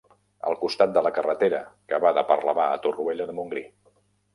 Al costat de la carretera que va de Parlavà a Torroella de Montgrí.